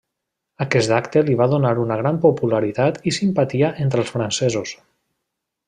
Aquest acte li va donar una gran popularitat i simpatia entre els francesos.